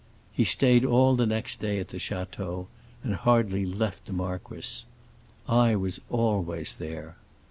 He stayed all the next day at the château, and hardly left the marquis. I was always there.